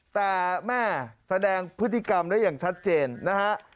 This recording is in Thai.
แต่แม่แสดงพฤติกรรมได้อย่างชัดเจนนะฮะ